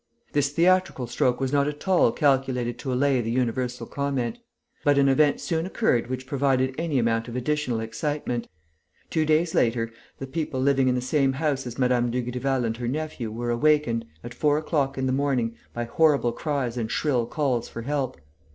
This theatrical stroke was not at all calculated to allay the universal comment. But an event soon occurred which provided any amount of additional excitement. Two days later, the people living in the same house as Mme. Dugrival and her nephew were awakened, at four o'clock in the morning, by horrible cries and shrill calls for help.